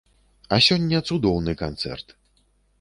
А сёння цудоўны канцэрт.